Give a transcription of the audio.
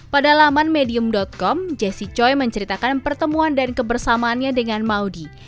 pada laman medium com jessi choi menceritakan pertemuan dan kebersamaannya dengan maudie